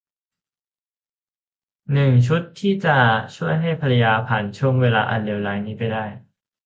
หนึ่ง ชุดที่จะช่วยให้ภรรยาผ่านช่วงเวลาอันเลวร้ายนี้ไปได้